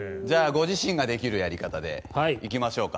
ご自身ができるやり方で行きましょうか。